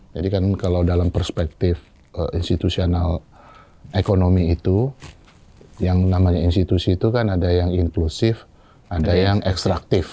jadi kan kalau dalam perspektif institusional ekonomi itu yang namanya institusi itu kan ada yang inklusif ada yang ekstraktif